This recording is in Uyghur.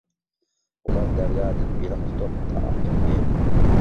ئۇلار دەريادىن بېلىق تۇتۇپ تائام قىلىپ يەيدۇ.